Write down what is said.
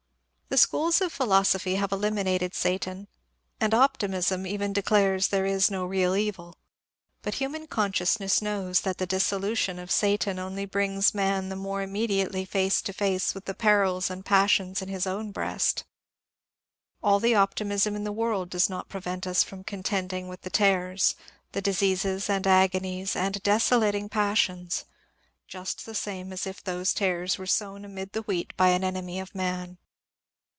444 MONCDRE DANIEL CONWAY The schools of philosophy have eliminated Satan, and op timism even declares there is no real evil ; but human con sciousness knows that the dissolution of Satan only brings man the more immediately face to face with the perils and passions in his own breast. All the optimism in the world does not prevent us from contending with the tares, — the diseases and agonies and desolating passions, — just the same as if those tares were sown amid the wheat by an enemy of man.